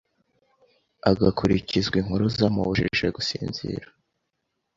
agakurikizwa inkuru zamubujije gusinzira.